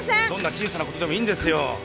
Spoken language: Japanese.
どんな小さな事でもいいんですよ。